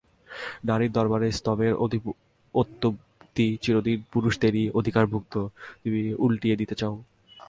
নারীর দরবারে স্তবের অত্যুক্তি চিরদিন পুরুষদেরই অধিকারভুক্ত, তুমি উলটিয়ে দিতে চাও?